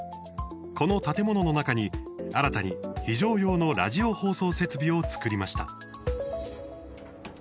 この建物の中に新たに非常用のラジオ放送設備を作りました。